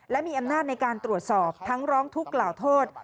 และมีอำนาจในการตรวจสอบทั้งร้องทุกข์กล่าวโทษ